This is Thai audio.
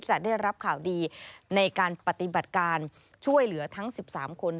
จะได้รับข่าวดีในการปฏิบัติการช่วยเหลือทั้ง๑๓คน